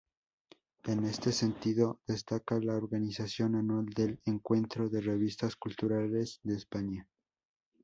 En este sentido, destaca la organización anual del "Encuentro de Revistas Culturales de España".